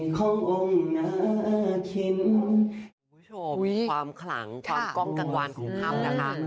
คุณผู้ชมความขลังความก้องกันวานของคำนะคะ